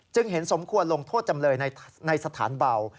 เห็นสมควรลงโทษจำเลยในสถานเบา